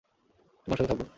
তোমার সাথে থাকবো।